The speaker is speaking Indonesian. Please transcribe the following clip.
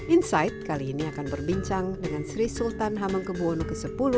insight kali ini akan berbincang dengan sri sultan hamengkebuwono x